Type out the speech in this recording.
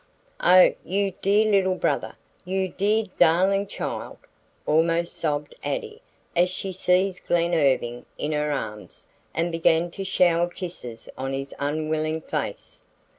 "Oh, you dear little brother, you dear darling child," almost sobbed Addie as she seized Glen Irving in her arms and began to shower kisses on his unwilling face.